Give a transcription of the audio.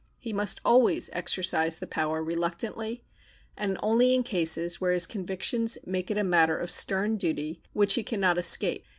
He must always exercise the power reluctantly, and only in cases where his convictions make it a matter of stern duty, which he can not escape.